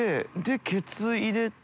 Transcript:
ケツ入れて。